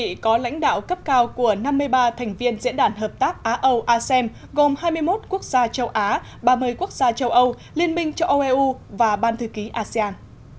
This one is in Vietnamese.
hội nghị có lãnh đạo cấp cao của năm mươi ba thành viên diễn đàn hợp tác á âu asem gồm hai mươi một quốc gia châu á ba mươi quốc gia châu âu liên minh châu âu eu và ban thư ký asean